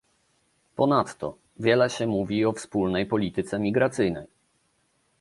Ponadto, wiele się mówi o wspólnej polityce migracyjnej